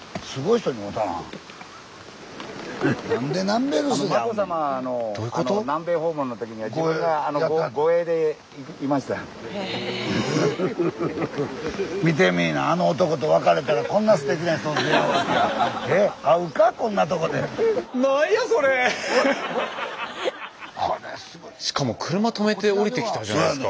スタジオしかも車止めて降りてきたじゃないすか。